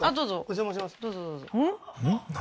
どうぞどうぞ何？